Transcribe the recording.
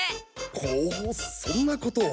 ほうそんなことを。